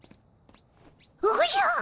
おじゃ！